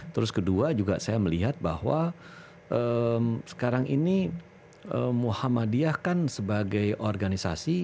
terus kedua juga saya melihat bahwa sekarang ini muhammadiyah kan sebagai organisasi